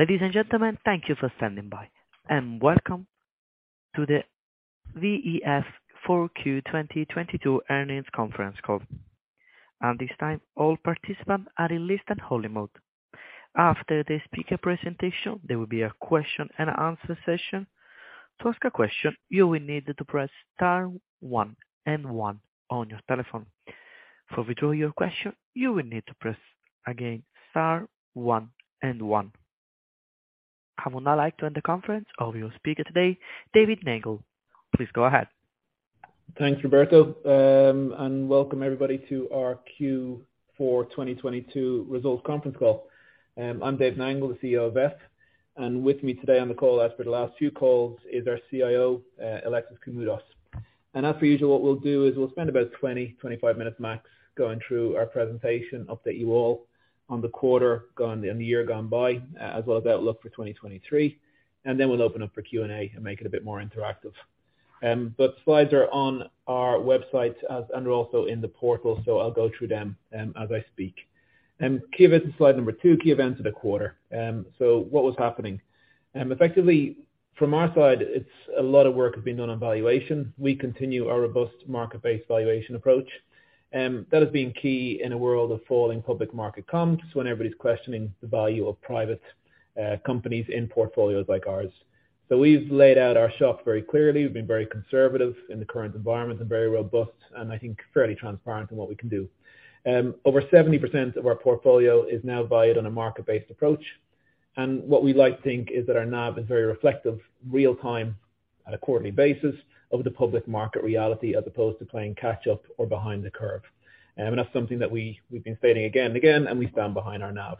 Ladies and gentlemen, thank you for standing by. Welcome to the VEF 4Q 2022 Earnings Conference Call. At this time, all participants are in listen only mode. After the speaker presentation, there will be a question and answer session. To ask a question, you will need to press star one and one on your telephone. To withdraw your question, you will need to press again star one and one. I would now like to end the conference. Our speaker today, David Nangle. Please go ahead. Thanks, Roberto, and welcome everybody to our Q4 2022 Results Conference Call. I'm David Nangle, the CEO of VEF. With me today on the call, as for the last few calls, is our CIO, Alexis Koumoudos. As usual, what we'll do is we'll spend about 20-25 minutes max going through our presentation, update you all on the quarter gone and the year gone by, as well as outlook for 2023. Then we'll open up for Q&A and make it a bit more interactive. But slides are on our website as and are also in the portal, so I'll go through them as I speak. Key event slide number two, key events of the quarter. So what was happening? Effectively from our side, it's a lot of work has been done on valuation. We continue our robust market-based valuation approach that has been key in a world of falling public market comps when everybody's questioning the value of private companies in portfolios like ours. We've laid out our shop very clearly. We've been very conservative in the current environment and very robust, and I think fairly transparent in what we can do. Over 70% of our portfolio is now valued on a market-based approach. What we like to think is that our NAV is very reflective real time at a quarterly basis of the public market reality as opposed to playing catch up or behind the curve. That's something that we've been stating again and again, and we stand behind our NAV.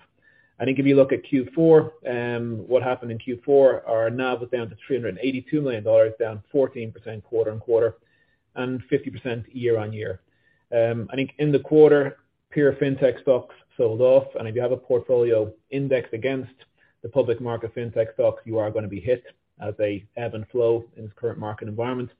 I think if you look at Q4, what happened in Q4, our NAV was down to $382 million, down 14% quarter-on-quarter and 50% year-on-year. I think in the quarter, pure fintech stocks sold off. If you have a portfolio indexed against the public market fintech stocks, you are gonna be hit as they ebb and flow in this current market environment.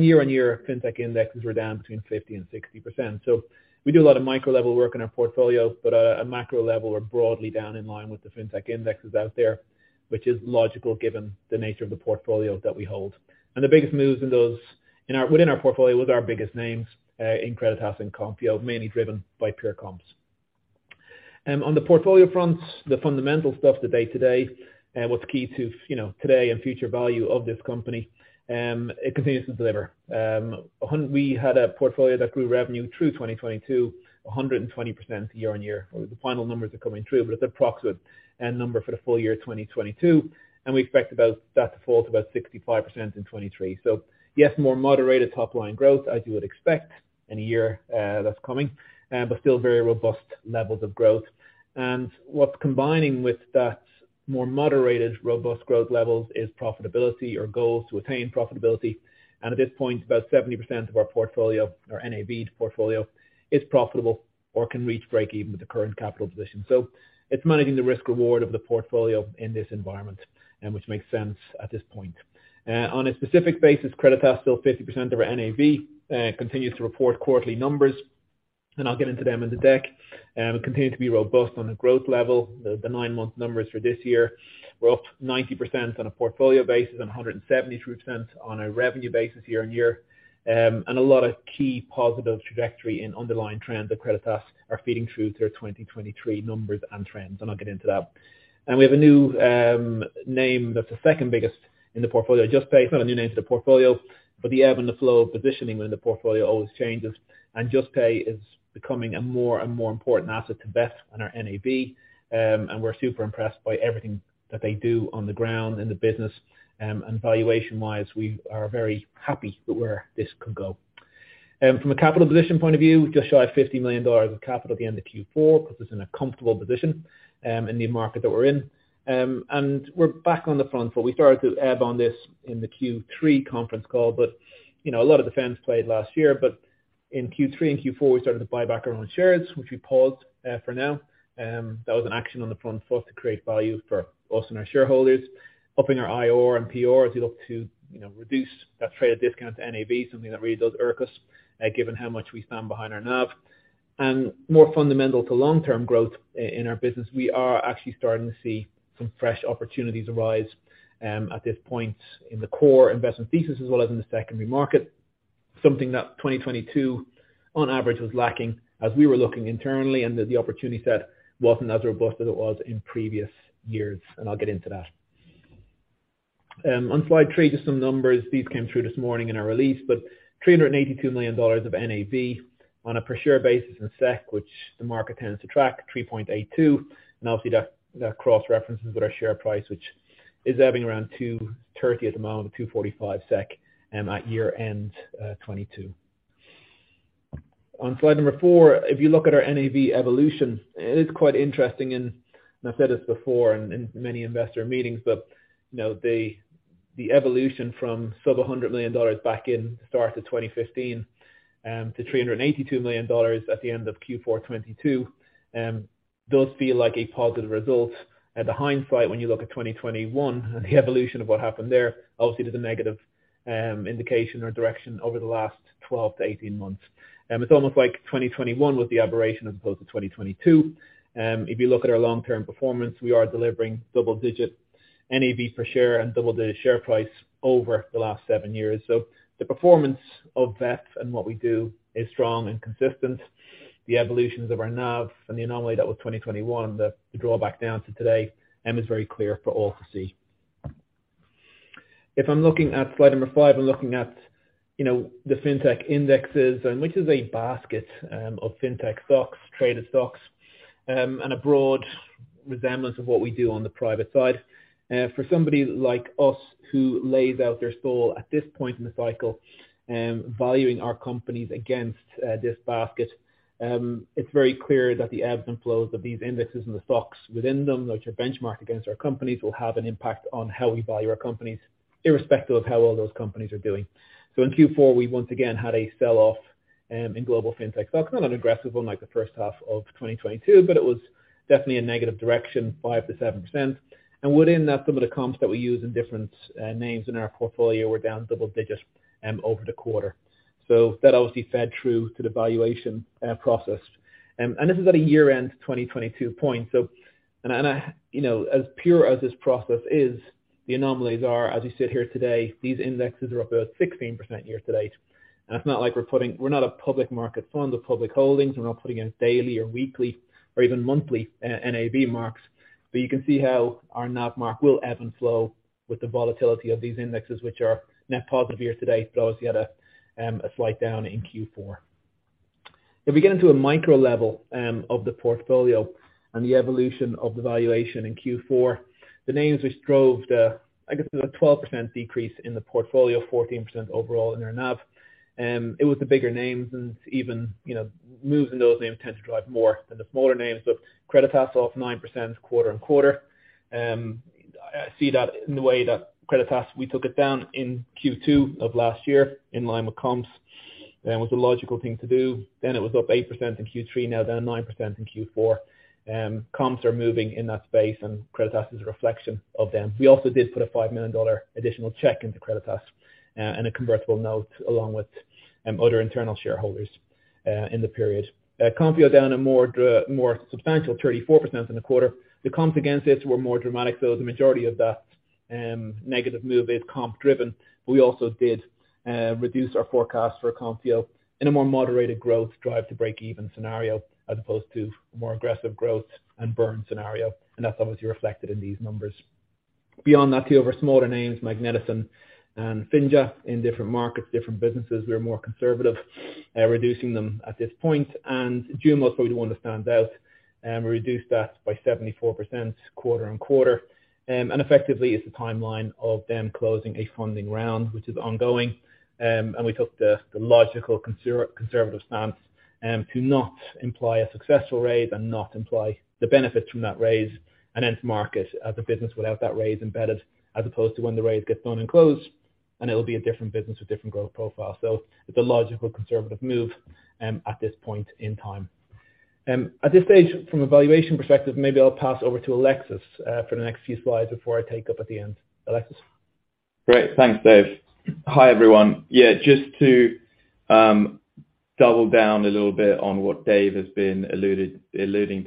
Year-on-year, fintech indexes were down between 50%-60%. We do a lot of micro-level work in our portfolio, but at a macro level, we're broadly down in line with the fintech indexes out there, which is logical given the nature of the portfolio that we hold. The biggest moves within our portfolio was our biggest names in Creditas and Konfío, mainly driven by pure comps. On the portfolio front, the fundamental stuff day-to-day, what's key to, you know, today and future value of this company, it continues to deliver. We had a portfolio that grew revenue through 2022, 120% year-on-year. The final numbers are coming through, but it's approximate end number for the full year 2022, and we expect about that to fall to about 65% in 2023. Yes, more moderated top line growth as you would expect in a year that's coming, but still very robust levels of growth. What's combining with that more moderated robust growth levels is profitability or goals to attain profitability. At this point, about 70% of our portfolio or NAV portfolio is profitable or can reach break even with the current capital position. It's managing the risk reward of the portfolio in this environment, which makes sense at this point. On a specific basis, Creditas is still 50% of our NAV, continues to report quarterly numbers, and I'll get into them in the deck. It continued to be robust on the growth level. The nine-month numbers for this year were up 90% on a portfolio basis and 173% on a revenue basis year-on-year. A lot of key positive trajectory in underlying trends at Creditas are feeding through to our 2023 numbers and trends, and I'll get into that. We have a new, name that's the second biggest in the portfolio. Juspay, it's not a new name to the portfolio, but the ebb and the flow of positioning within the portfolio always changes. Juspay is becoming a more and more important asset to VEF and our NAV. We're super impressed by everything that they do on the ground in the business. Valuation-wise, we are very happy with where this could go. From a capital position point of view, just shy of $50 million of capital at the end of Q4, put us in a comfortable position in the market that we're in. We're back on the front foot. We started to ebb on this in the Q3 conference call. You know a lot of defense played last year, but in Q3 and Q4 we started to buy back our own shares, which we paused for now. That was an action on the front foot to create value for us and our shareholders. Upping our IR and PR as we look to, you know, reduce that trade discount to NAV, something that really does irk us, given how much we stand behind our NAV. More fundamental to long-term growth in our business, we are actually starting to see some fresh opportunities arise, at this point in the core investment thesis as well as in the secondary market. Something that 2022 on average was lacking as we were looking internally and that the opportunity set wasn't as robust as it was in previous years. I'll get into that. On slide three, just some numbers. These came through this morning in our release, but $382 million of NAV on a per share basis in SEK, which the market tends to track, 3.82. Obviously that cross-references with our share price, which is ebbing around 230 at the moment, 245 SEK at year-end 2022. On slide four, if you look at our NAV evolution, it is quite interesting. I've said this before in many investor meetings, you know, the evolution from sub $100 million back in start of 2015 to $382 million at the end of Q4 2022 does feel like a positive result. The hindsight when you look at 2021 and the evolution of what happened there, obviously it was a negative indication or direction over the last 12-18 months. It's almost like 2021 was the aberration as opposed to 2022. If you look at our long-term performance, we are delivering double-digit NAV per share and double-digit share price over the last 7 years. The performance of VEF and what we do is strong and consistent. The evolutions of our NAV and the anomaly that was 2021, the drawback down to today, is very clear for all to see. If I'm looking at slide four, I'm looking at, you know, the fintech indexes and which is a basket of fintech stocks, traded stocks, and a broad resemblance of what we do on the private side. For somebody like us who lays out their soul at this point in the cycle, valuing our companies against this basket, it's very clear that the ebbs and flows of these indexes and the stocks within them, which are benchmarked against our companies, will have an impact on how we value our companies irrespective of how well those companies are doing. In Q4, we once again had a sell-off in global fintech. It's not an aggressive one like the first half of 2022, but it was definitely a negative direction, 5%-7%. Within that, some of the comps that we use in different names in our portfolio were down double digits over the quarter. That obviously fed through to the valuation process. This is at a year-end 2022 point. I, you know, as pure as this process is, the anomalies are as we sit here today, these indexes are up about 16% year to date. It's not like we're not a public market fund or public holdings. We're not putting in daily or weekly or even monthly NAV marks. You can see how our NAV mark will ebb and flow with the volatility of these indexes, which are net positive year to date, but obviously had a slight down in Q4. If we get into a micro level of the portfolio and the evolution of the valuation in Q4, the names which drove the, I guess, the 12% decrease in the portfolio, 14% overall in their NAV, it was the bigger names and even, you know, moves in those names tend to drive more than the smaller names. Creditas off 9% quarter-on-quarter. I see that in the way that Creditas, we took it down in Q2 of last year in line with comps. It was the logical thing to do. It was up 8% in Q3, now down 9% in Q4. Comps are moving in that space, Creditas is a reflection of them. We also did put a $5 million additional check into Creditas, and a convertible note along with other internal shareholders in the period. Konfío down a more substantial 34% in the quarter. The comps against it were more dramatic, the majority of that negative move is comp driven. We also did reduce our forecast for Konfío in a more moderated growth drive to break even scenario, as opposed to more aggressive growth and burn scenario, that's obviously reflected in these numbers. Beyond that, two of our smaller names, Magnetis and Finja, in different markets, different businesses, we're more conservative, reducing them at this point. Jumo is probably the one that stands out. We reduced that by 74% quarter-on-quarter. Effectively it's the timeline of them closing a funding round, which is ongoing. We took the logical conservative stance to not imply a successful raise and not imply the benefit from that raise and then to market the business without that raise embedded, as opposed to when the raise gets done and closed, and it'll be a different business with different growth profiles. It's a logical conservative move at this point in time. At this stage, from a valuation perspective, maybe I'll pass over to Alexis for the next few slides before I take up at the end. Alexis. Great. Thanks, Dave. Hi, everyone. Yeah, just to double down a little bit on what Dave has been alluding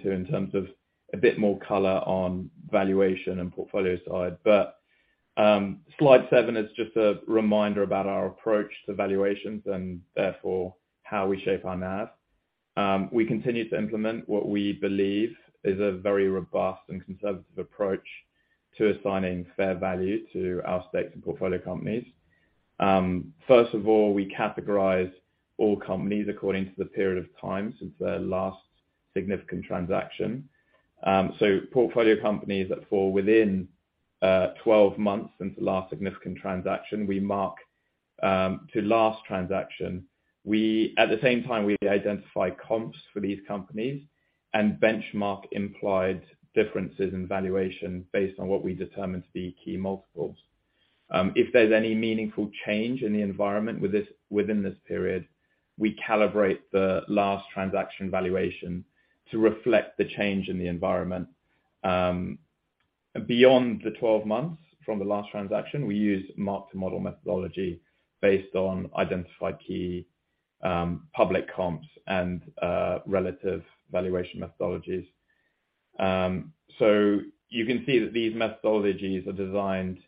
to in terms of a bit more color on valuation and portfolio side. Slide seven is just a reminder about our approach to valuations and therefore how we shape our NAV. We continue to implement what we believe is a very robust and conservative approach to assigning fair value to our stakes and portfolio companies. First of all, we categorize all companies according to the period of time since their last significant transaction. So portfolio companies that fall within 12 months since the last significant transaction, we mark to last transaction. At the same time, we identify comps for these companies and benchmark implied differences in valuation based on what we determine to be key multiples. If there's any meaningful change in the environment with this, within this period, we calibrate the last transaction valuation to reflect the change in the environment. Beyond the 12 months from the last transaction, we use mark-to-model methodology based on identified key public comps and relative valuation methodologies. You can see that these methodologies are designed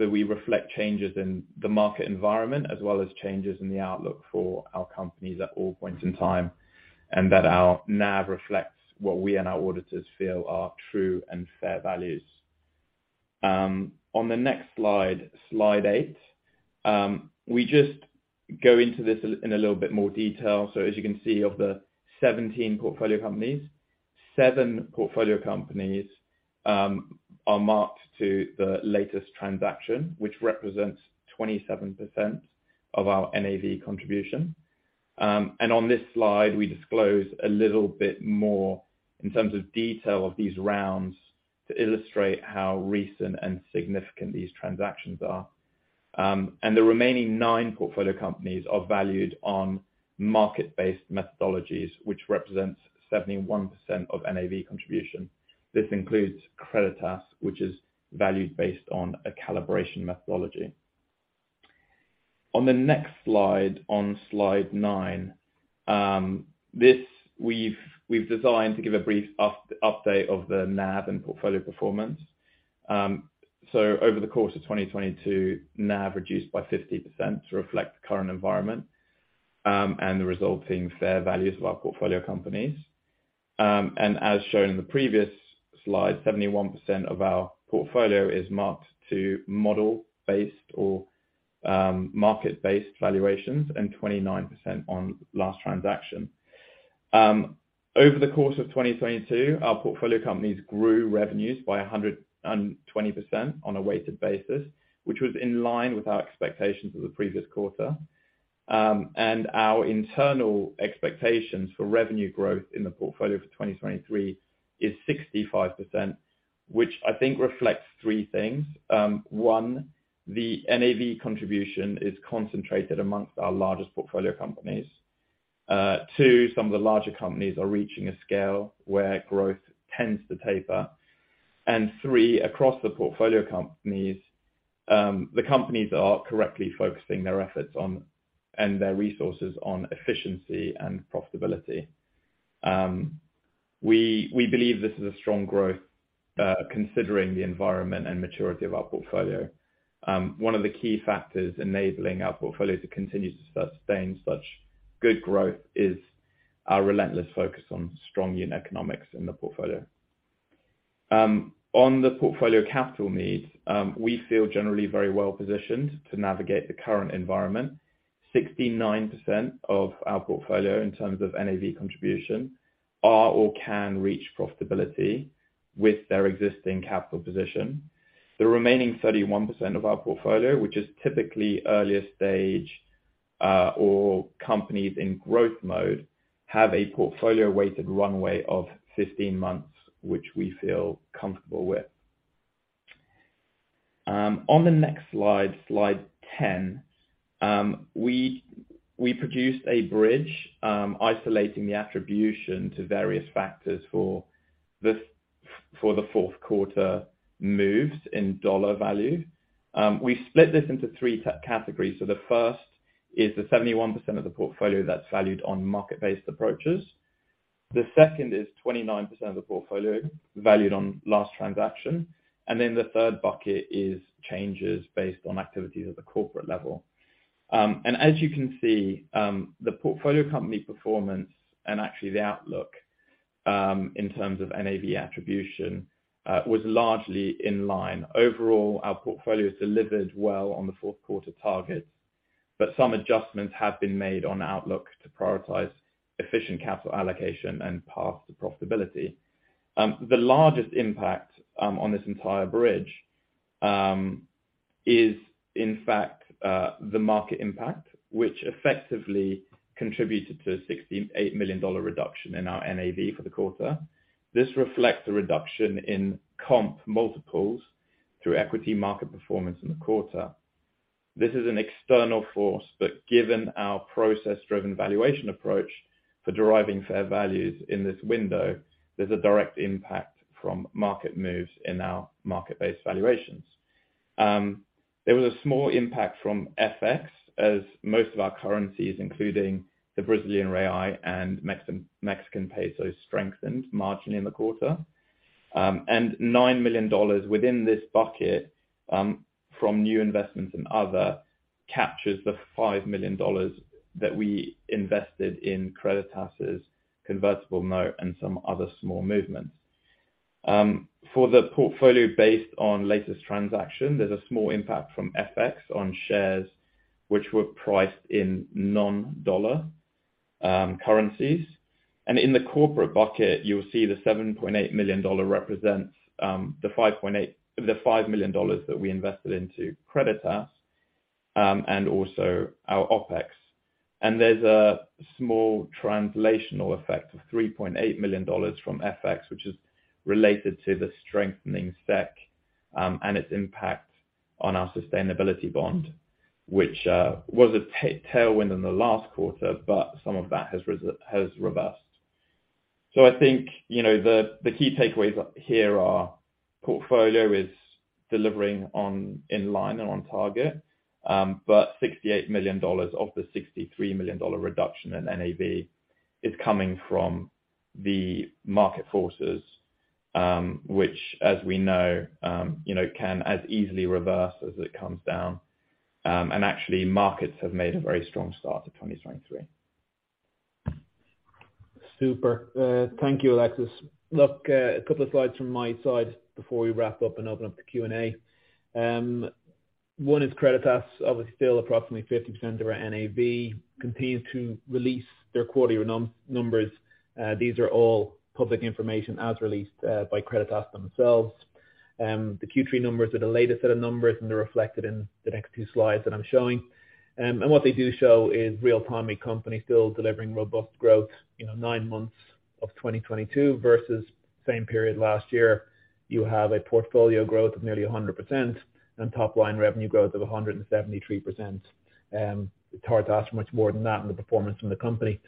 so that we reflect changes in the market environment as well as changes in the outlook for our companies at all points in time, and that our NAV reflects what we and our auditors feel are true and fair values. On the next slide eight, we just go into this in a little bit more detail. As you can see, of the 17 portfolio companies, Seven portfolio companies are marked to the latest transaction, which represents 27% of our NAV contribution. On this slide, we disclose a little bit more in terms of detail of these rounds to illustrate how recent and significant these transactions are. The remaining 9 portfolio companies are valued on market-based methodologies, which represents 71% of NAV contribution. This includes Creditas, which is valued based on a calibration methodology. On the next slide, on slide nine, this we've designed to give a brief update of the NAV and portfolio performance. Over the course of 2022, NAV reduced by 50% to reflect the current environment and the resulting fair values of our portfolio companies. As shown in the previous slide, 71% of our portfolio is mark-to-model-based or, market-based valuations and 29% on last transaction. Over the course of 2022, our portfolio companies grew revenues by 120% on a weighted basis, which was in line with our expectations for the previous quarter. Our internal expectations for revenue growth in the portfolio for 2023 is 65%, which I think reflects three things. 1, the NAV contribution is concentrated amongst our largest portfolio companies. 2, some of the larger companies are reaching a scale where growth tends to taper. 3, across the portfolio companies, the companies are correctly focusing their efforts on, and their resources on efficiency and profitability. We believe this is a strong growth, considering the environment and maturity of our portfolio. One of the key factors enabling our portfolio to continue to sustain such good growth is our relentless focus on strong unit economics in the portfolio. On the portfolio capital needs, we feel generally very well positioned to navigate the current environment. 69% of our portfolio, in terms of NAV contribution, are or can reach profitability with their existing capital position. The remaining 31% of our portfolio, which is typically earlier stage, or companies in growth mode, have a portfolio-weighted runway of 15 months, which we feel comfortable with. On the next slide 10, we produced a bridge, isolating the attribution to various factors for the fourth quarter moves in $ value. We split this into three categories. The first is the 71% of the portfolio that's valued on market-based approaches. The second is 29% of the portfolio valued on last transaction. The third bucket is changes based on activities at the corporate level. As you can see, the portfolio company performance and actually the outlook, in terms of NAV attribution, was largely in line. Our portfolio has delivered well on the fourth quarter targets, but some adjustments have been made on outlook to prioritize efficient capital allocation and path to profitability. The largest impact on this entire bridge is in fact the market impact, which effectively contributed to a $68 million reduction in our NAV for the quarter. This reflects a reduction in comp multiples through equity market performance in the quarter. This is an external force, but given our process-driven valuation approach for deriving fair values in this window, there's a direct impact from market moves in our market-based valuations. There was a small impact from FX as most of our currencies, including the Brazilian real and Mexican peso, strengthened marginally in the quarter. Nine million dollars within this bucket, from new investments and other, captures the $5 million that we invested in Creditas' convertible note and some other small movements. For the portfolio based on latest transaction, there's a small impact from FX on shares which were priced in non-dollar currencies. In the corporate bucket, you'll see the $7.8 million represents the $5 million that we invested into Creditas and also our OpEx. There's a small translational effect of $3.8 million from FX, which is related to the strengthening SEK and its impact on our sustainability bond, which was a tailwind in the last quarter, but some of that has reversed. I think, you know, the key takeaways here are portfolio is delivering on in line and on target, but $68 million of the $63 million reduction in NAV is coming from the market forces, which as we know, you know, can as easily reverse as it comes down. Actually, markets have made a very strong start to 2023. Super. Thank you, Alexis. Look, a couple of slides from my side before we wrap up and open up the Q&A. One is Creditas, obviously still approximately 50% of our NAV, continues to release their quarterly numbers. These are all public information as released by Creditas themselves. The Q3 numbers are the latest set of numbers, and they're reflected in the next few slides that I'm showing. What they do show is real-time, a company still delivering robust growth. You know, nine months of 2022 versus same period last year, you have a portfolio growth of nearly 100% and top line revenue growth of 173%. It's hard to ask much more than that in the performance from the company.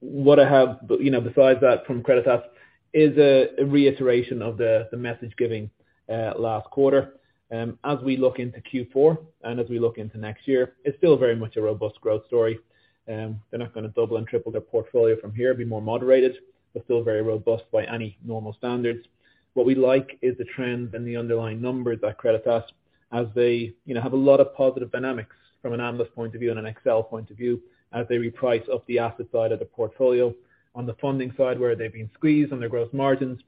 What I have you know, besides that from Creditas is a reiteration of the message giving last quarter. As we look into Q4 and as we look into next year, it's still very much a robust growth story. They're not gonna double and triple their portfolio from here, be more moderated, but still very robust by any normal standards. What we like is the trend and the underlying numbers at Creditas as they, you know, have a lot of positive dynamics from an analyst point of view and an Excel point of view as they reprice up the asset side of the portfolio. On the funding side, where they've been squeezed on their growth margins,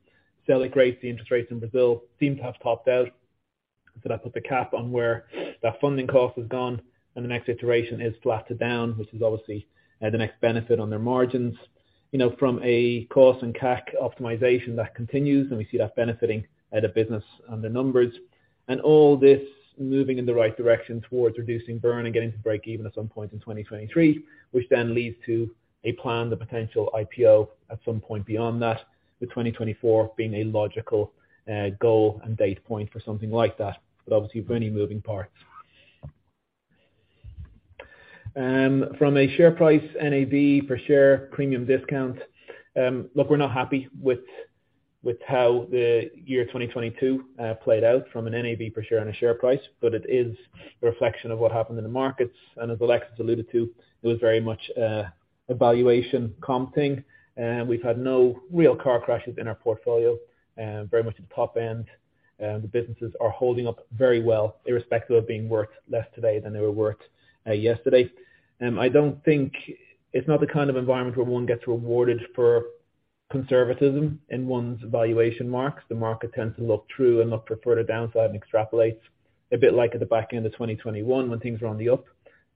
Selic rate the interest rates in Brazil seem to have topped out. That put the cap on where that funding cost has gone and the next iteration is flattered down, which is obviously the next benefit on their margins. You know, from a cost and CAC optimization that continues, and we see that benefiting at a business on the numbers, and all this moving in the right direction towards reducing burn and getting to break even at some point in 2023, which then leads to a plan, the potential IPO at some point beyond that, with 2024 being a logical goal and data point for something like that. Obviously with any moving parts. From a share price NAV per share premium discount. Look, we're not happy with how the year 2022 played out from an NAV per share and a share price, but it is a reflection of what happened in the markets. As Alexis alluded to, it was very much evaluation comping, and we've had no real car crashes in our portfolio, very much at the top end. The businesses are holding up very well, irrespective of being worth less today than they were worth yesterday. It's not the kind of environment where one gets rewarded for conservatism in one's valuation marks. The market tends to look through and look for further downside and extrapolates. A bit like at the back end of 2021 when things were on the up,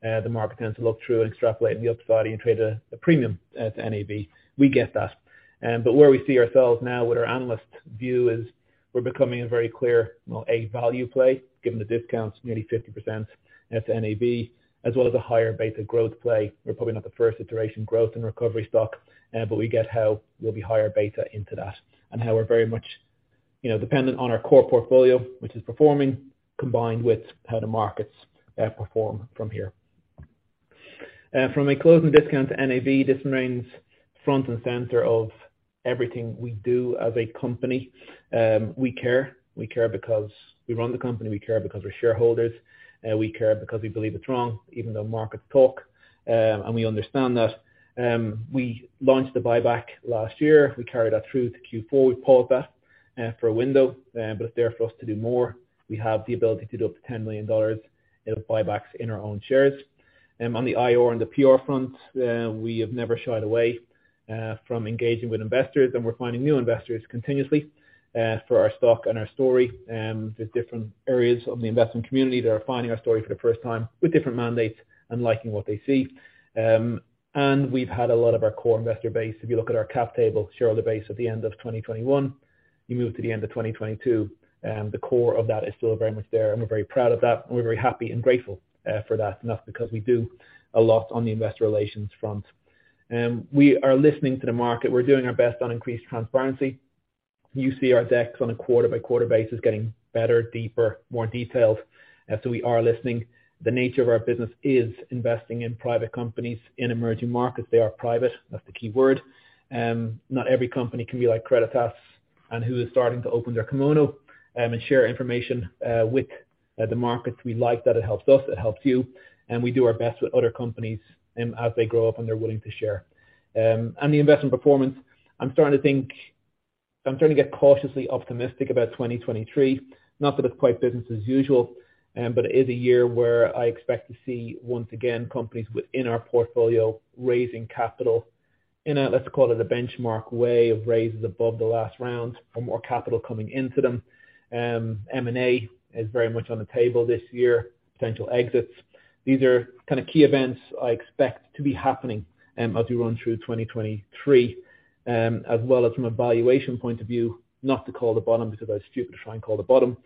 the market tends to look through and extrapolate in the upside and trade a premium at NAV. We get that. Where we see ourselves now with our analyst view is we're becoming a very clear, well, a value play, given the discounts nearly 50% at NAV, as well as a higher beta growth play. We're probably not the first iteration growth and recovery stock, we get how we'll be higher beta into that and how we're very much, you know, dependent on our core portfolio which is performing combined with how the markets perform from here. From a closing discount to NAV, this remains front and center of everything we do as a company. We care. We care because we run the company. We care because we're shareholders. We care because we believe it's wrong even though markets talk. We understand that. We launched the buyback last year. We carried that through to Q4. We paused that for a window. It's there for us to do more. We have the ability to do up to $10 million of buybacks in our own shares. On the IR and the PR front, we have never shied away from engaging with investors, and we're finding new investors continuously for our stock and our story. There's different areas of the investment community that are finding our story for the first time with different mandates and liking what they see. We've had a lot of our core investor base. If you look at our cap table shareholder base at the end of 2021, you move to the end of 2022, the core of that is still very much there. We're very proud of that, and we're very happy and grateful for that. That's because we do a lot on the investor relations front. We are listening to the market. We're doing our best on increased transparency. You see our decks on a quarter-by-quarter basis getting better, deeper, more detailed, so we are listening. The nature of our business is investing in private companies in emerging markets. They are private, that's the key word. Not every company can be like Creditas and who is starting to open their kimono and share information with the markets. We like that it helps us, it helps you, and we do our best with other companies, as they grow up and they're willing to share. The investment performance, I'm starting to get cautiously optimistic about 2023. Not that it's quite business as usual, but it is a year where I expect to see once again companies within our portfolio raising capital in a, let's call it a benchmark way of raises above the last round for more capital coming into them. M&A is very much on the table this year, potential exits. These are kind of key events I expect to be happening, as we run through 2023. As well as from a valuation point of view, not to call the bottom because I was stupid to try and call the bottom.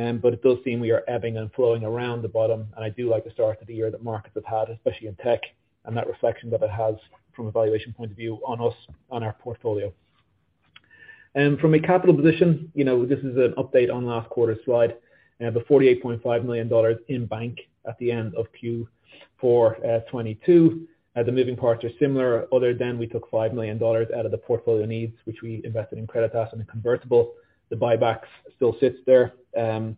It does seem we are ebbing and flowing around the bottom. I do like the start of the year that markets have had, especially in tech, and that reflection that it has from a valuation point of view on us, on our portfolio. From a capital position, you know, this is an update on last quarter's slide. The $48.5 million in bank at the end of Q4 2022. The moving parts are similar other than we took $5 million out of the portfolio needs which we invested in Creditas and the convertible. The buybacks still sits there, and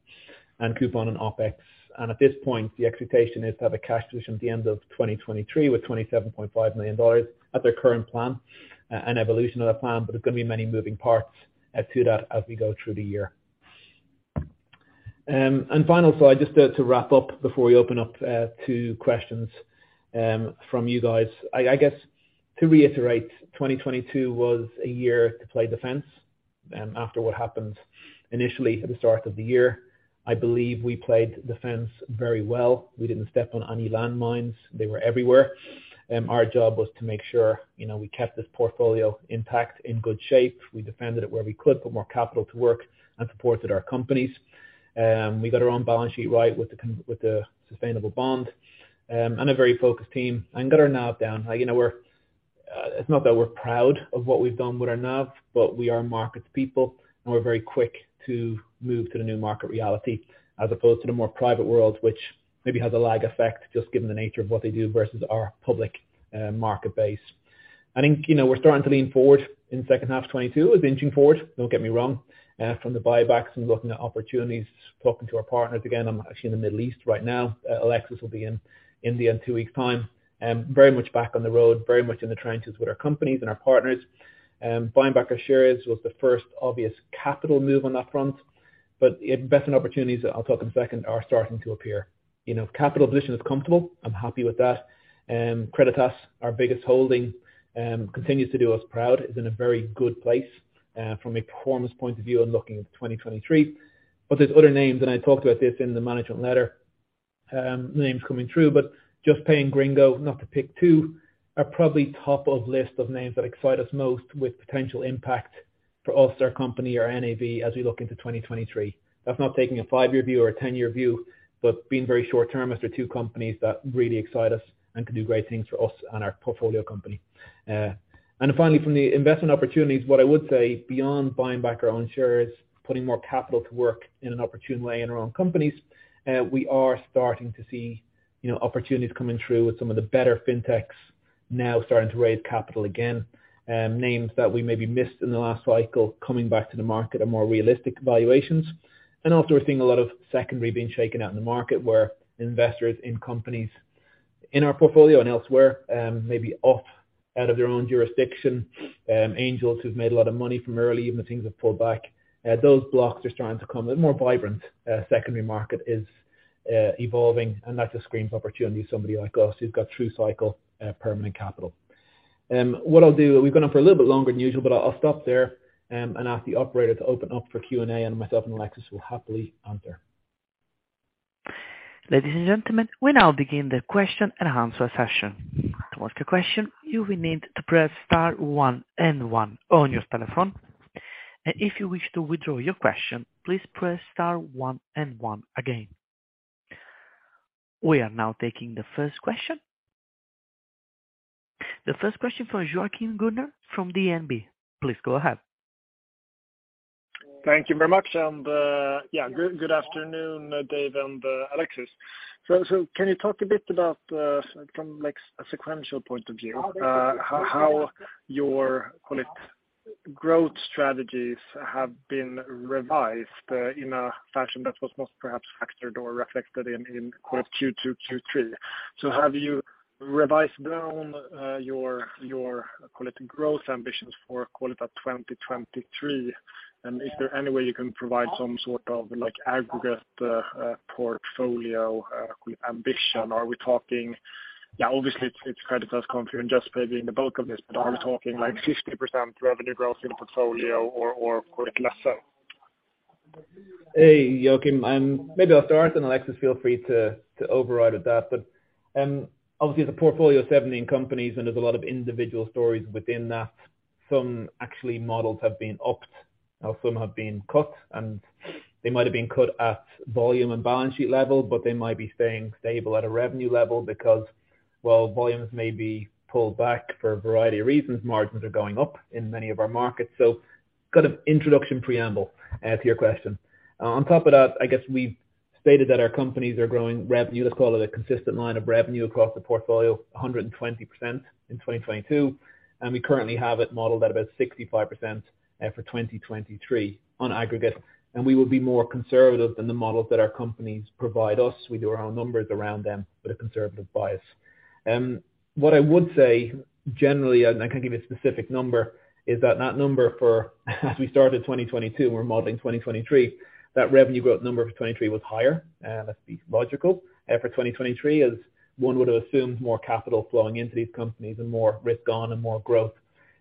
coupon and OpEx. At this point, the expectation is to have a cash position at the end of 2023 with $27.5 million at their current plan, an evolution of that plan. There's gonna be many moving parts to that as we go through the year. Final slide, just to wrap up before we open up to questions from you guys. I guess to reiterate, 2022 was a year to play defense after what happened initially at the start of the year. I believe we played defense very well. We didn't step on any landmines. They were everywhere. Our job was to make sure, you know, we kept this portfolio intact, in good shape. We defended it where we could, put more capital to work and supported our companies. We got our own balance sheet right with the sustainable bond and a very focused team and got our NAV down. You know, it's not that we're proud of what we've done with our NAV, we are markets people, and we're very quick to move to the new market reality as opposed to the more private world, which maybe has a lag effect just given the nature of what they do versus our public market base. I think, you know, we're starting to lean forward in the second half of 2022. We're benching forward, don't get me wrong, from the buybacks and looking at opportunities, talking to our partners. I'm actually in the Middle East right now. Alexis will be in India in two weeks time. Very much back on the road, very much in the trenches with our companies and our partners. Buying back our shares was the first obvious capital move on that front, investment opportunities that I'll talk in second are starting to appear. You know, capital position is comfortable. I'm happy with that. Creditas, our biggest holding, continues to do us proud. It's in a very good place, from a performance point of view and looking at 2023. There's other names, and I talked about this in the management letter, names coming through. Juspay and Gringo, not to pick two, are probably top of list of names that excite us most with potential impact for us, their company or NAV as we look into 2023. That's not taking a five-year view or a 10-year view, but being very short term as to two companies that really excite us and can do great things for us and our portfolio company. Finally, from the investment opportunities, what I would say beyond buying back our own shares, putting more capital to work in an opportune way in our own companies, we are starting to see, you know, opportunities coming through with some of the better fintechs now starting to raise capital again. Names that we maybe missed in the last cycle coming back to the market at more realistic valuations. Also, we're seeing a lot of secondary being shaken out in the market where investors in companies in our portfolio and elsewhere, may be off out of their own jurisdiction. Angels who've made a lot of money from early, even if things have pulled back, those blocks are starting to come. A more vibrant secondary market is evolving, and that just screams opportunity to somebody like us who's got true cycle permanent capital. We've gone on for a little bit longer than usual, but I'll stop there, and ask the operator to open up for Q&A, and myself and Alexis will happily answer. Ladies and gentlemen, we now begin the question and answer session. To ask a question, you will need to press star one and one on your telephone. If you wish to withdraw your question, please press star one and one again. We are now taking the first question. The first question from Joachim Gunell from DNB. Please go ahead. Thank you very much. good afternoon, Dave and Alexis. Can you talk a bit about, from like a sequential point of view, how your, call it, growth strategies have been revised, in a fashion that was most perhaps factored or reflected in, call it Q2, Q3? Have you revised down, your call it growth ambitions for call it, 2023? Is there any way you can provide some sort of like aggregate, portfolio, ambition? Are we talking... obviously it's Creditas. Hey, Joachim. Maybe I'll start, and Alexis feel free to override at that. Obviously it's a portfolio of 17 companies, and there's a lot of individual stories within that. Some actually models have been upped, some have been cut, and they might have been cut at volume and balance sheet level, but they might be staying stable at a revenue level because while volumes may be pulled back for a variety of reasons, margins are going up in many of our markets. Kind of introduction preamble to your question. On top of that, I guess we've stated that our companies are growing revenue. Let's call it a consistent line of revenue across the portfolio, 120% in 2022, and we currently have it modeled at about 65% for 2023 on aggregate. We will be more conservative than the models that our companies provide us. We do our own numbers around them with a conservative bias. What I would say generally, and I can give you a specific number, is that that number for as we started 2022 and we're modeling 2023, that revenue growth number for 2023 was higher, let's be logical. For 2023 as one would have assumed more capital flowing into these companies and more risk on and more growth.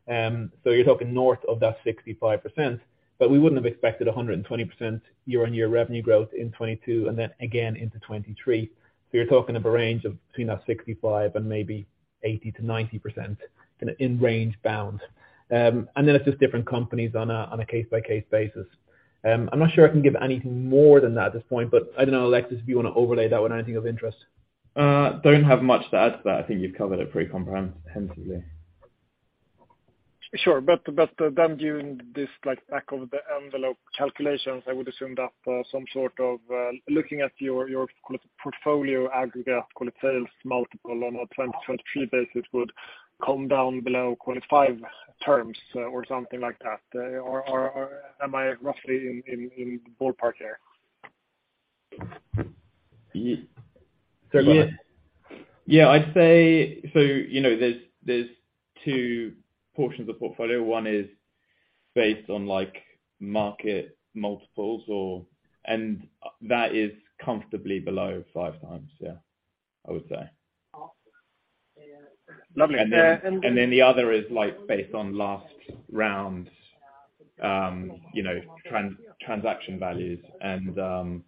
You're talking north of that 65%, but we wouldn't have expected 120% year-on-year revenue growth in 2022 and then again into 2023. You're talking of a range of between that 65% and maybe 80%-90% in a, in range bound. It's just different companies on a, on a case-by-case basis. I'm not sure I can give anything more than that at this point, but I don't know, Alexis, if you wanna overlay that with anything of interest. Don't have much to add to that. I think you've covered it pretty comprehensively. Sure. During this like back of the envelope calculations, I would assume that, some sort of looking at your portfolio aggregate sales multiple on a 2023 basis would come down below, call it 5 terms or something like that. Or am I roughly in ballpark there? Go ahead. Yeah, I'd say so, you know, there's two portions of portfolio. One is based on like market multiples or... That is comfortably below five times. Yeah. I would say. Lovely. Yeah. Then the other is like based on last round, you know, transaction values and,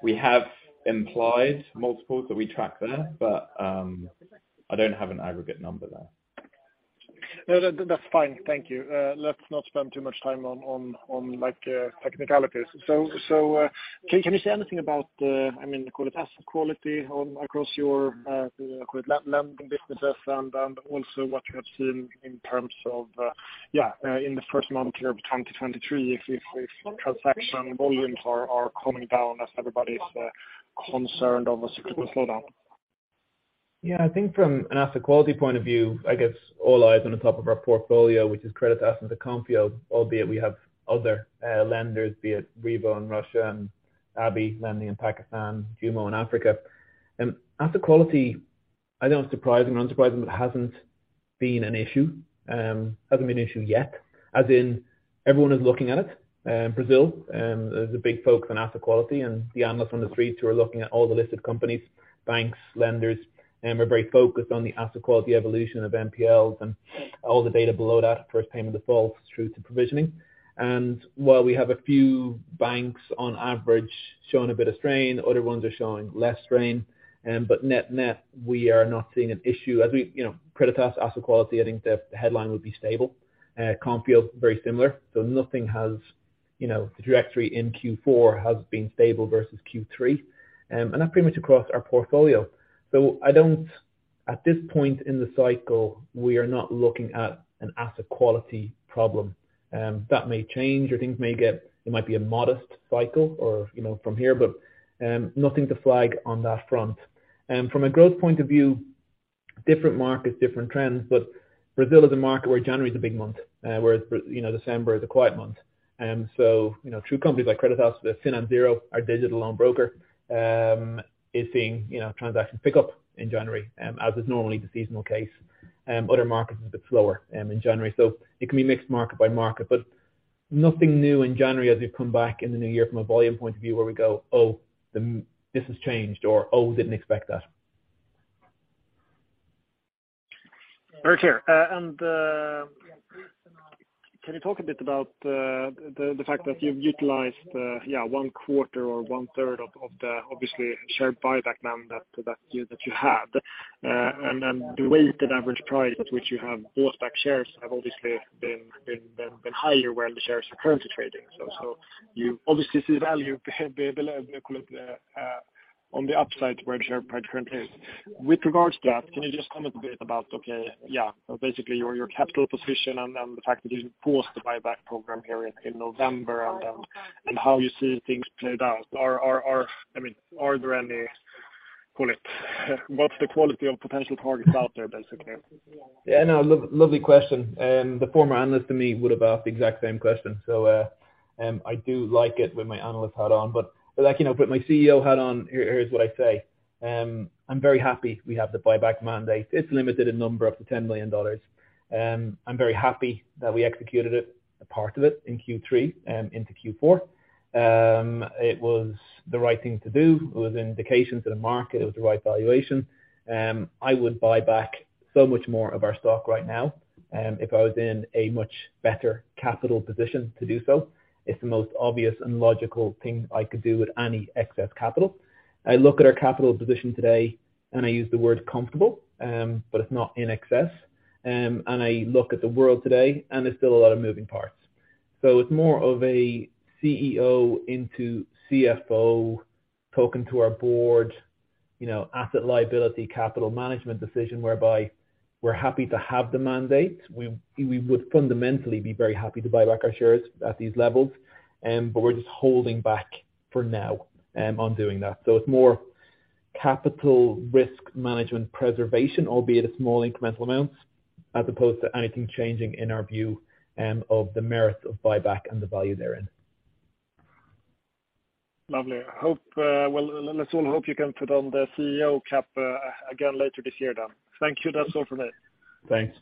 we have implied multiples that we track there, but, I don't have an aggregate number there. No, that's fine. Thank you. Let's not spend too much time on like technicalities. Can you say anything about the... I mean, call it asset quality on across your lending businesses and also what you have seen in terms of, yeah, in the first month here of 2023, if transaction volumes are coming down as everybody's concerned of a cyclical slowdown? Yeah. I think from an asset quality point of view, I guess all eyes on the top of our portfolio, which is credit assets and Konfío, albeit we have other lenders, be it Revo in Russia and Abhi lending in Pakistan, JUMO in Africa. Asset quality, I know it's surprising or unsurprising, but it hasn't been an issue. Hasn't been an issue yet, as in everyone is looking at it. In Brazil, there's a big focus on asset quality and the analysts on the streets who are looking at all the listed companies, banks, lenders, we're very focused on the asset quality evolution of MPLs and all the data below that, first payment default through to provisioning. While we have a few banks on average showing a bit of strain, other ones are showing less strain. Net-net, we are not seeing an issue. As we, you know, Creditas asset quality, I think the headline would be stable. Konfío, very similar. Nothing has, you know, the trajectory in Q4 has been stable versus Q3, and that's pretty much across our portfolio. I don't... at this point in the cycle, we are not looking at an asset quality problem. That may change or things may get... it might be a modest cycle or, you know, from here, but nothing to flag on that front. From a growth point of view, different markets, different trends, but Brazil is a market where January is a big month, whereas you know, December is a quiet month. So you know, through companies like Creditas, FinanZero, our digital loan broker, is seeing, you know, transactions pick up in January, as is normally the seasonal case. Other markets is a bit slower in January. It can be mixed market by market, but nothing new in January as we've come back in the new year from a volume point of view where we go, "Oh, this has changed," or, "Oh, we didn't expect that. Very clear. Can you talk a bit about the fact that you've utilized one quarter or one-third of the obviously share buyback plan that you had. Then the weighted average price at which you have bought back shares have obviously been higher where the shares are currently trading. You obviously see value below on the upside where the share price currently is. With regards to that, can you just comment a bit about basically your capital position and the fact that you paused the buyback program here in November and how you see things played out. Are there any... Call it, what's the quality of potential targets out there, basically? Yeah, no. Lovely question. The former analyst in me would have asked the exact same question. I do like it with my analyst hat on. Like, you know, put my CEO hat on, here is what I'd say. I'm very happy we have the buyback mandate. It's limited in number up to $10 million. I'm very happy that we executed it, a part of it in Q3, into Q4. It was the right thing to do. It was an indication to the market it was the right valuation. I would buy back so much more of our stock right now, if I was in a much better capital position to do so. It's the most obvious and logical thing I could do with any excess capital. I look at our capital position today, I use the word comfortable, but it's not in excess. I look at the world today, there's still a lot of moving parts. It's more of a CEO into CFO talking to our board, you know, asset liability, capital management decision whereby we're happy to have the mandate. We would fundamentally be very happy to buy back our shares at these levels, but we're just holding back for now on doing that. It's more capital risk management preservation, albeit a small incremental amount, as opposed to anything changing in our view of the merit of buyback and the value therein. Lovely. I hope, well, let's all hope you can put on the CEO cap again later this year then. Thank you. That's all from me. Thanks.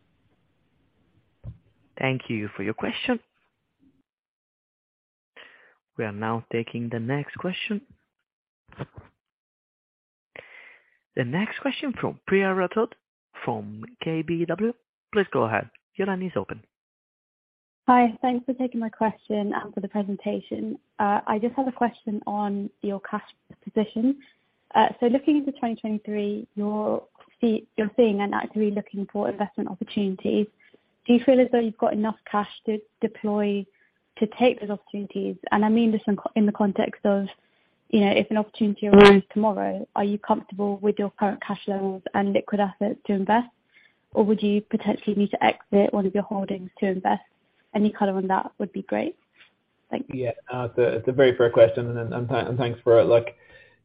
Thank you for your question. We are now taking the next question. The next question from Priya Rathod from KBW. Please go ahead. Your line is open. Hi. Thanks for taking my question and for the presentation. I just have a question on your cash position. Looking into 2023, you're seeing and actively looking for investment opportunities. Do you feel as though you've got enough cash to deploy to take those opportunities? I mean this in the context of, you know, if an opportunity arises tomorrow, are you comfortable with your current cash levels and liquid assets to invest, or would you potentially need to exit one of your holdings to invest? Any color on that would be great. Thank you. Yeah. It's a very fair question and thanks for it. Look,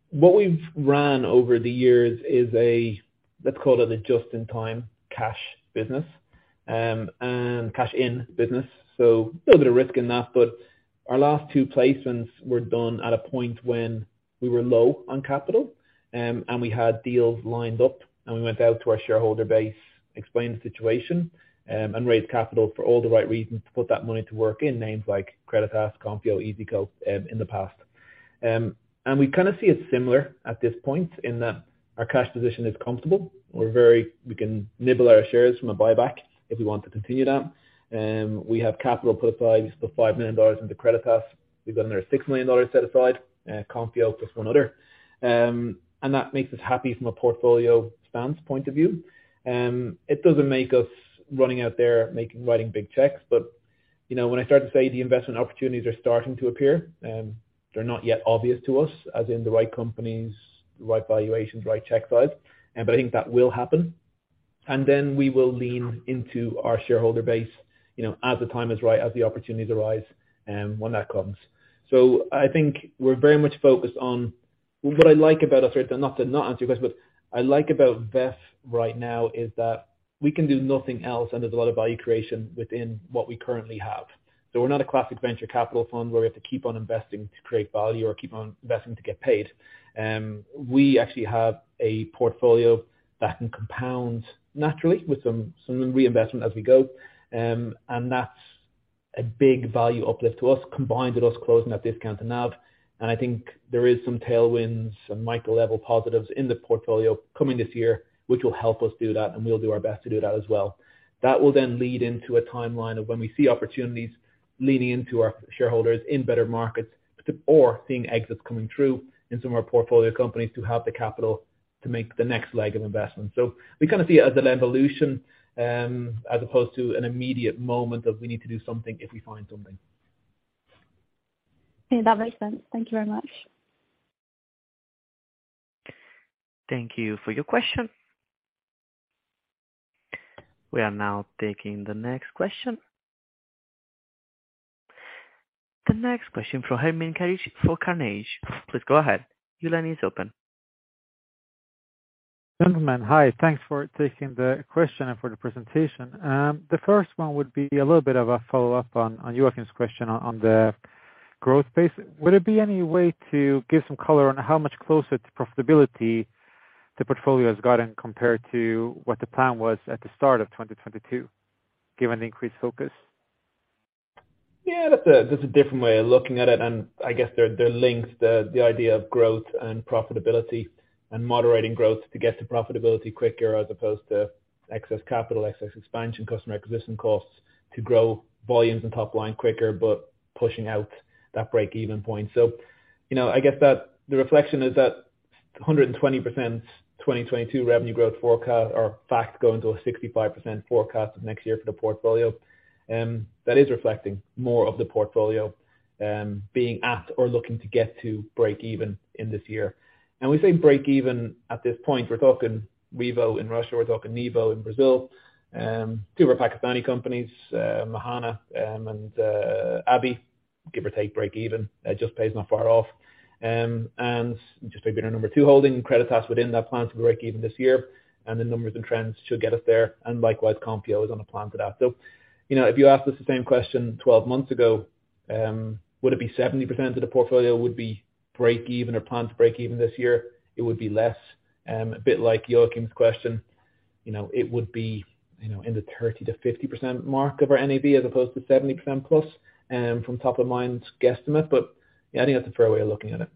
what we've ran over the years is a, let's call it a just-in-time cash business, and cash in business. A little bit of risk in that, but our last two placements were done at a point when we were low on capital, and we had deals lined up, and we went out to our shareholder base, explained the situation, and raised capital for all the right reasons to put that money to work in names like Creditas, Konfío, iyzico, in the past. We kinda see it similar at this point in that our cash position is comfortable. We can nibble our shares from a buyback if we want to continue that. We have capital put aside. We put $5 million into Creditas. We've got another $6 million set aside, Konfío plus one other. That makes us happy from a portfolio spans point of view. It doesn't make us running out there writing big checks, but you know, when I start to say the investment opportunities are starting to appear, they're not yet obvious to us as in the right companies, the right valuations, right check size, but I think that will happen. Then we will lean into our shareholder base, you know, as the time is right, as the opportunities arise, when that comes. I think we're very much focused on... What I like about us, right? Not to not answer your question, but I like about VEF right now is that we can do nothing else, and there's a lot of value creation within what we currently have. We're not a classic venture capital fund where we have to keep on investing to create value or keep on investing to get paid. We actually have a portfolio that can compound naturally with some reinvestment as we go. That's a big value uplift to us, combined with us closing that discount to NAV. I think there is some tailwinds, some micro-level positives in the portfolio coming this year, which will help us do that, and we'll do our best to do that as well. That will lead into a timeline of when we see opportunities leading into our shareholders in better markets seeing exits coming through in some of our portfolio companies to have the capital to make the next leg of investment. We kind of see it as an evolution, as opposed to an immediate moment of we need to do something if we find something. Yeah, that makes sense. Thank you very much. Thank you for your question. We are now taking the next question. The next question from Ermin Keric for Carnegie. Please go ahead. Your line is open. Gentlemen, hi. Thanks for taking the question and for the presentation. The first one would be a little bit of a follow-up on Joachim's question on the growth pace. Would it be any way to give some color on how much closer to profitability the portfolio has gotten compared to what the plan was at the start of 2022, given the increased focus? Yeah, that's a, that's a different way of looking at it, and I guess they're linked. The idea of growth and profitability and moderating growth to get to profitability quicker as opposed to excess capital, excess expansion, customer acquisition costs to grow volumes and top line quicker, but pushing out that break-even point. You know, I guess that the reflection is that 120% 2022 revenue growth forecast or fact going to a 65% forecast next year for the portfolio, that is reflecting more of the portfolio, being at or looking to get to break even in this year. We say break even at this point, we're talking Revo in Russia, we're talking Nibo in Brazil, two of our Pakistani companies, Mahaana, and Abhi, give or take break even. Juspay not far off. Just to be our number two holding Creditas within that plan to break even this year and the numbers and trends should get us there. Likewise, Konfío is on a plan for that. You know, if you asked us the same question 12 months ago, would it be 70% of the portfolio would be break even or plan to break even this year? It would be less, a bit like Joachim's question. You know, it would be, you know, in the 30%-50% mark of our NAV as opposed to 70% plus, from top of mind guesstimate. Yeah, I think that's a fair way of looking at it.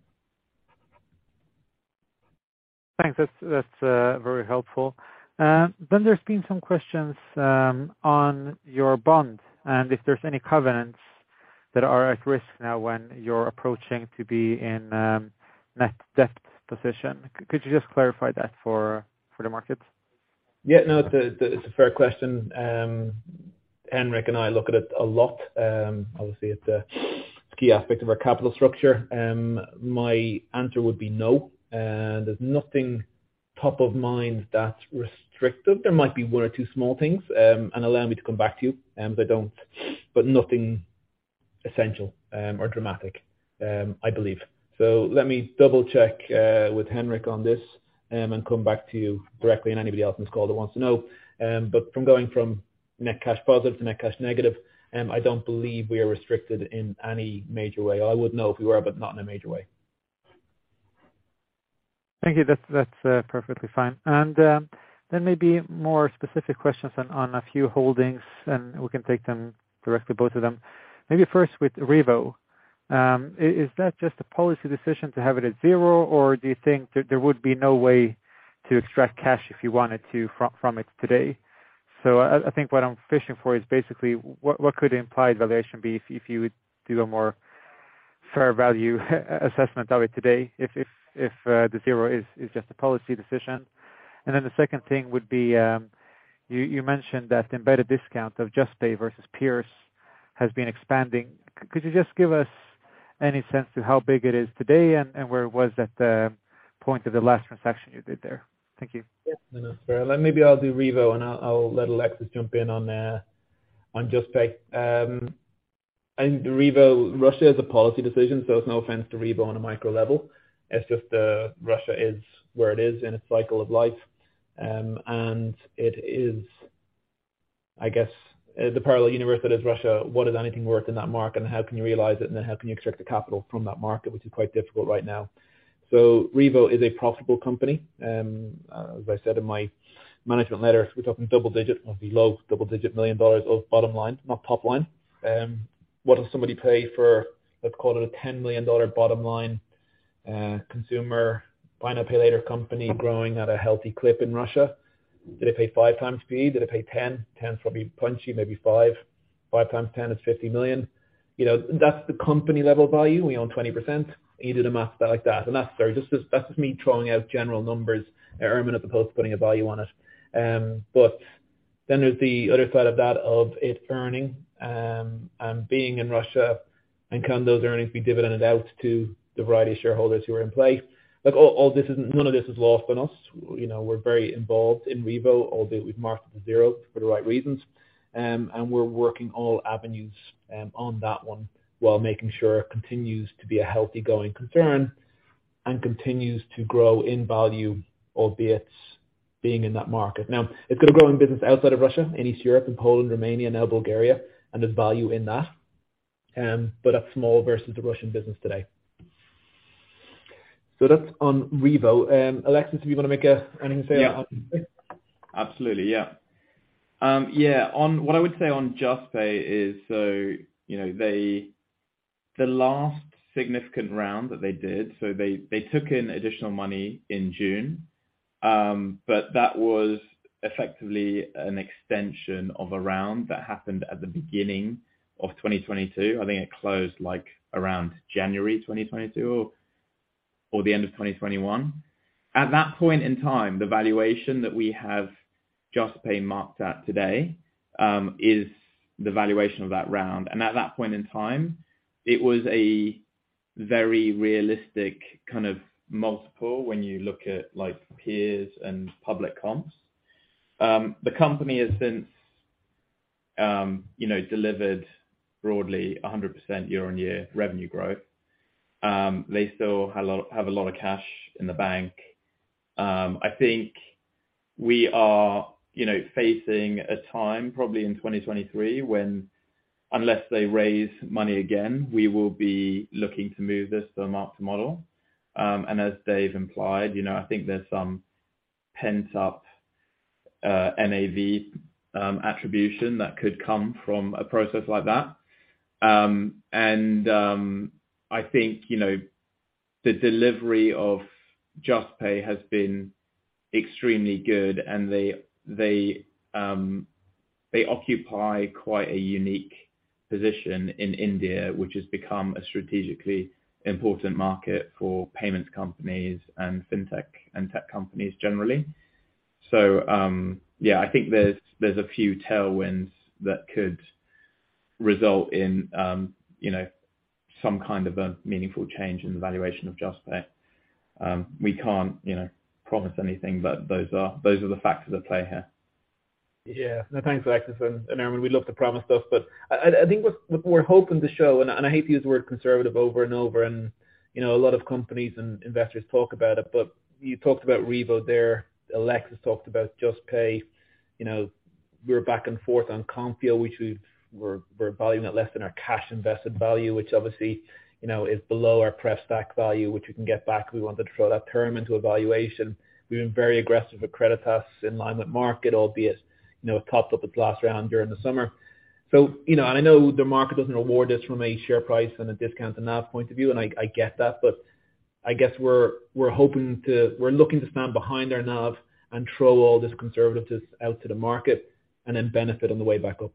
Thanks. That's very helpful. There's been some questions on your bond and if there's any covenants that are at risk now when you're approaching to be in net debt position. Could you just clarify that for the market? Yeah, no, it's a, it's a fair question. Henrik and I look at it a lot. obviously it's a, it's key aspect of our capital structure. my answer would be no. there's nothing top of mind that's restrictive. There might be one or two small things, and allow me to come back to you, nothing essential or dramatic, I believe. Let me double-check with Henrik on this, and come back to you directly and anybody else in this call that wants to know. From going from net cash positive to net cash negative, I don't believe we are restricted in any major way. I would know if we were, but not in a major way. Thank you. That's perfectly fine. Then maybe more specific questions on a few holdings, and we can take them directly, both of them. Maybe first with REVO. Is that just a policy decision to have it at zero, or do you think there would be no way to extract cash if you wanted to from it today? I think what I'm fishing for is basically what could implied valuation be if you would do a more fair value assessment of it today if the zero is just a policy decision? Then the second thing would be, you mentioned that the embedded discount of Juspay versus Peers has been expanding. Could you just give us any sense to how big it is today and where it was at the point of the last transaction you did there? Thank you. Yes. No, that's fair. Let maybe I'll do REVO, and I'll let Alexis jump in on Juspay. I think the REVO, Russia is a policy decision. It's no offense to REVO on a micro level. It's just, Russia is where it is in its cycle of life. It is, I guess, the parallel universe that is Russia. What is anything worth in that market? How can you realize it? How can you extract the capital from that market, which is quite difficult right now. REVO is a profitable company. As I said in my management letter, we're talking double-digit, must be low double-digit million dollars of bottom line, not top line. What does somebody pay for, let's call it a $10 million bottom line, consumer buy now, pay later company growing at a healthy clip in Russia? Do they pay 5 times P? Do they pay 10? 10 is probably punchy, maybe 5. 5 times 10 is $50 million. You know, that's the company level value. We own 20%, you do the math like that. That's just me throwing out general numbers, and Erman as opposed to putting a value on it. There's the other side of that of it earning, and being in Russia, and can those earnings be dividended out to the variety of shareholders who are in play. Look, all this isn't. None of this is lost on us. You know, we're very involved in Revo, albeit we've marked it to zero for the right reasons. We're working all avenues on that one while making sure it continues to be a healthy going concern and continues to grow in value, albeit being in that market. It's gonna grow in business outside of Russia and East Europe, and Poland, Romania, Bulgaria, and there's value in that. That's small versus the Russian business today. That's on Revo. Alexis, do you wanna make a... Anything to say on Juspay? Absolutely, yeah. What I would say on Juspay is, you know, the last significant round that they did, they took in additional money in June, but that was effectively an extension of a round that happened at the beginning of 2022. I think it closed like around January 2022 or the end of 2021. At that point in time, the valuation that we have Juspay marked at today is the valuation of that round. At that point in time, it was a very realistic kind of multiple when you look at like peers and public comps. The company has since, you know, delivered broadly 100% year-on-year revenue growth. They still have a lot of cash in the bank. I think we are, you know, facing a time probably in 2023 when unless they raise money again, we will be looking to move this to a mark-to-model. As Dave implied, you know, I think there's some pent up NAV attribution that could come from a process like that. I think, you know, the delivery of Juspay has been extremely good and they occupy quite a unique position in India, which has become a strategically important market for payments companies and fintech and tech companies generally. I think there's a few tailwinds that could result in, you know, some kind of a meaningful change in the valuation of Juspay. We can't, you know, promise anything, but those are, those are the factors at play here. Yeah. No, thanks, Alexis and Erman. We love to promise stuff, but I think what we're hoping to show, and I hate to use the word conservative over and over, and you know, a lot of companies and investors talk about it, but you talked about Revo there. Alexis talked about Juspay. You know, we're back and forth on Konfío, which we're valuing at less than our cash invested value, which obviously, you know, is below our preference stack value, which we can get back. We wanted to throw that term into a valuation. We've been very aggressive with Creditas in line with market, albeit, you know, it topped up its last round during the summer. You know, and I know the market doesn't award this from a share price and a discount to NAV point of view, and I get that, but I guess we're looking to stand behind our NAV and throw all this conservatism out to the market and then benefit on the way back up.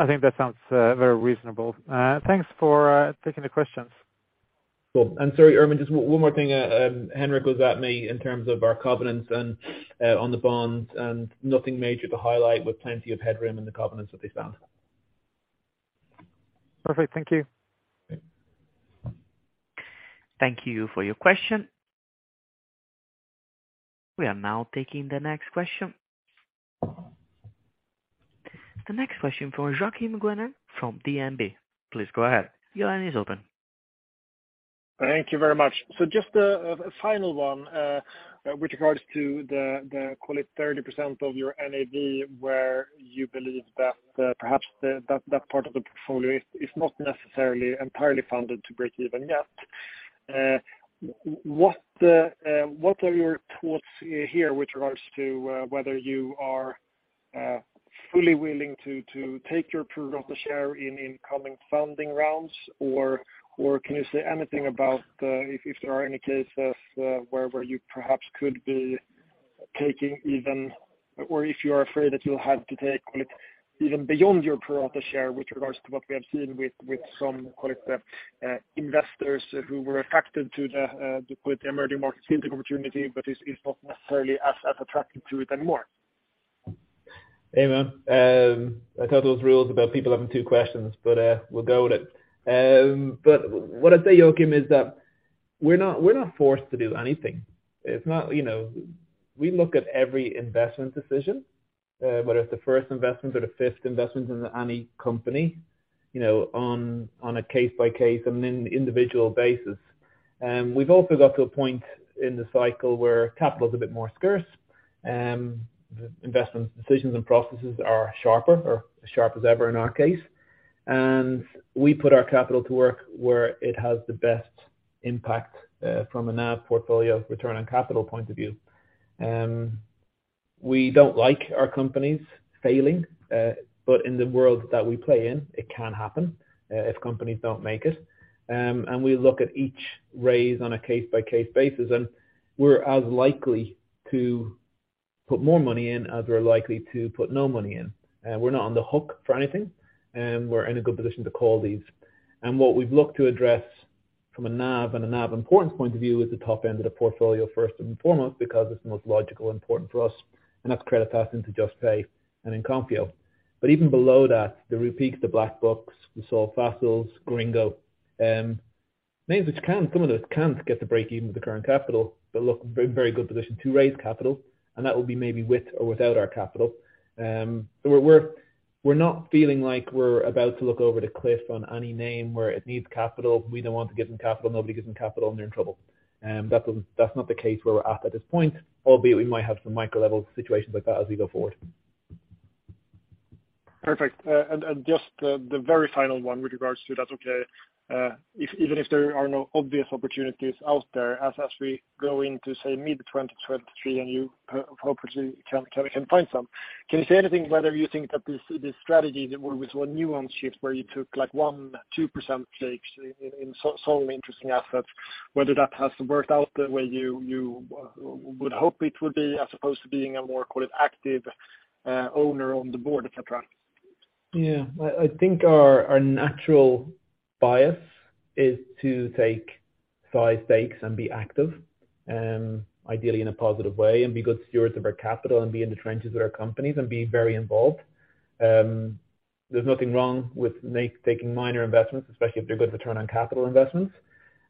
I think that sounds very reasonable. Thanks for taking the questions. Cool. Sorry, Ermin, just one more thing. Henrik was at me in terms of our covenants on the bond and nothing major to highlight with plenty of headroom in the covenants that they found. Perfect. Thank you. Okay. Thank you for your question. We are now taking the next question. The next question from Joachim Gunell from DNB. Please go ahead. Your line is open. Thank you very much. Just a final one, with regards to the call it 30% of your NAV where you believe that perhaps that part of the portfolio is not necessarily entirely funded to break even yet. What are your thoughts here with regards to whether you are fully willing to take your pro rata share in incoming funding rounds or can you say anything about if there are any cases where you perhaps could be taking even. If you are afraid that you'll have to take call it even beyond your pro rata share with regards to what we have seen with some call it investors who were attracted to the call it emerging market fintech opportunity, but is not necessarily as attracted to it anymore. Hey, man. I thought there was rules about people having two questions, we'll go with it. What I'd say, Joachim, is that we're not, we're not forced to do anything. It's not. You know, we look at every investment decision, whether it's the first investment or the fifth investment in any company, you know, on a case by case and an individual basis. We've also got to a point in the cycle where capital is a bit more scarce. The investment decisions and processes are sharper or sharp as ever in our case. We put our capital to work where it has the best impact, from a NAV portfolio return on capital point of view. We don't like our companies failing, but in the world that we play in, it can happen if companies don't make it. We look at each raise on a case by case basis, and we're as likely to put more money in as we're likely to put no money in. We're not on the hook for anything, and we're in a good position to call these. What we've looked to address from a NAV and a NAV important point of view is the top end of the portfolio first and foremost, because it's most logical important to us, and that's Creditas into Juspay and in Konfío. Even below that, the Rupeek, the BlackBuck, the Solfácil, Gringo, names which some of those can get to breakeven with the current capital, look very, very good position to raise capital. That will be maybe with or without our capital. We're not feeling like we're about to look over the cliff on any name where it needs capital. We don't want to give them capital. Nobody gives them capital. They're in trouble. That doesn't that's not the case where we're at this point. Albeit we might have some micro-level situations like that as we go forward. Perfect. Just the very final one with regards to that. Okay. If even if there are no obvious opportunities out there as we go into, say, mid-2023 and you hopefully can find some. Can you say anything whether you think that this strategy with one nuance shift where you took like 1%, 2% stakes in some interesting assets, whether that has worked out the way you would hope it would be as opposed to being a more, call it active owner on the board, et cetera? Yeah. I think our natural bias is to take size stakes and be active, ideally in a positive way and be good stewards of our capital and be in the trenches with our companies and be very involved. There's nothing wrong with taking minor investments, especially if they're good return on capital investments.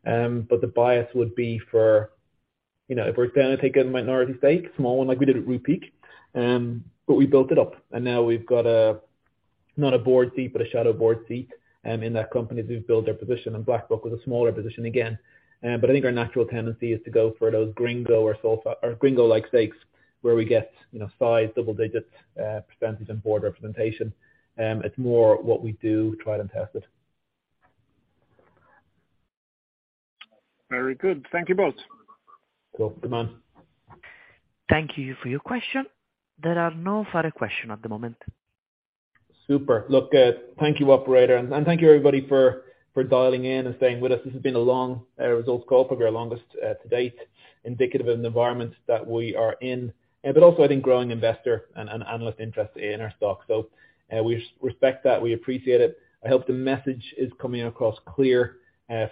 The bias would be for, you know, if we're gonna take a minority stake, small one like we did at Rupeek, but we built it up and now we've got a, not a board seat, but a shadow board seat in that company to build their position. BlackBuck was a smaller position again. I think our natural tendency is to go for those Gringo or Solfácil or Gringo-like stakes where we get, you know, size double digits %, and board representation. It's more what we do, tried and tested. Very good. Thank you both. Cool. Good man. Thank you for your question. There are no further question at the moment. Super. Look, thank you operator and thank you everybody for dialing in and staying with us. This has been a long results call, probably our longest to date, indicative of the environment that we are in, but also I think growing investor and analyst interest in our stock. We respect that. We appreciate it. I hope the message is coming across clear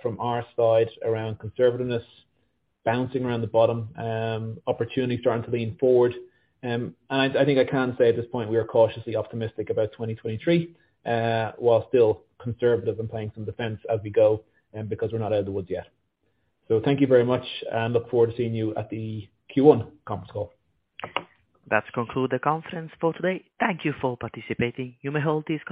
from our side around conservativeness bouncing around the bottom, opportunity starting to lean forward. I think I can say at this point we are cautiously optimistic about 2023 while still conservative and playing some defense as we go because we're not out of the woods yet. Thank you very much. Look forward to seeing you at the Q1 conference call. That conclude the conference for today. Thank you for participating. You may hold.